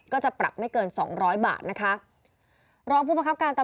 ก็จะปรับไม่เกิน๒๐๐บาทนะคะ